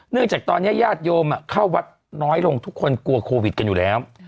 จากตอนนี้ญาติโยมเข้าวัดน้อยลงทุกคนกลัวโควิดกันอยู่แล้ว